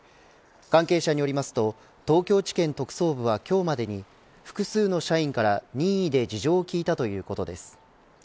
関係者によりますと東京地検特捜部は、今日までに複数の社員から任意で事情を聴いたということです。